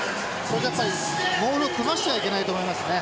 モールを組ませてはいけないと思いますね。